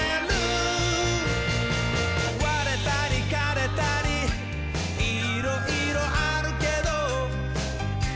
「われたりかれたりいろいろあるけど」